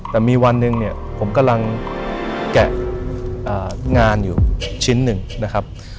แต่มีวันหนึ่งเนี่ยผมกำลังแกะงานอยู่ชิ้นหนึ่งนะครับ